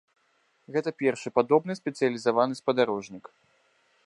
Гэта першы падобны спецыялізаваны спадарожнік.